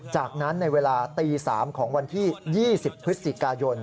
จากนั้นในเวลาตี๓ของวันที่๒๐พฤศจิกายน